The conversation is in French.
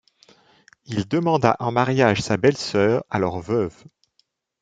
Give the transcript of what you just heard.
Il demanda en mariage sa belle sœur alors veuve.